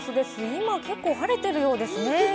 今、結構晴れているようですね。